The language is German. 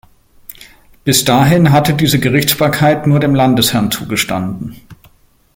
Bis dahin hatte diese Gerichtsbarkeit nur dem Landesherrn zugestanden.